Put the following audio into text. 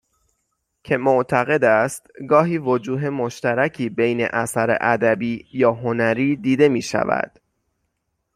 که معتقد است گاهی وجوه مشترکی بین اثر ادبی یا هنری دیده میشود